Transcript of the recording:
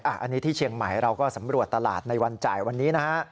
อันนี้ที่เชียงใหม่เราก็สำรวจตลาดในวันจ่ายวันนี้นะฮะ